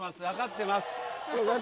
わかってます。